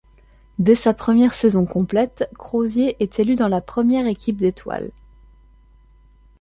Dès sa première saison complète, Crozier est élu dans la première équipe d’étoiles.